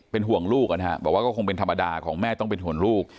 เป็นห่วงลูกนะฮะบอกว่าก็คงเป็นธรรมดาของแม่ต้องเป็นห่วงลูก